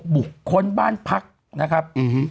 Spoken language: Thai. บุคคลบ้านพักนะครับ